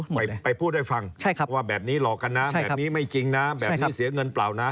ไปพูดให้ฟังว่าแบบนี้หลอกกันนะแบบนี้ไม่จริงนะแบบนี้เสียเงินเปล่านะ